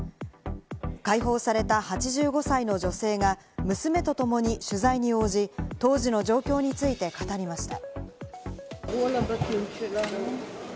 解放された８５歳の女性が娘とともに取材に応じ、当時の状況について語りました。